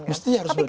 mesti harus begitu